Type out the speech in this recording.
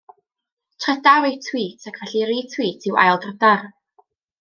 Trydar yw tweet ac felly retweet yw aildrydar.